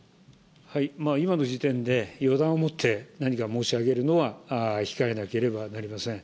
今の時点で予断を持って何か申し上げるのは控えなければなりません。